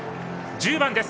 １０番です！